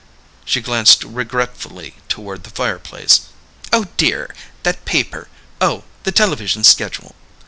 She glanced regretfully toward the fireplace. "Oh dear, that paper, the television schedule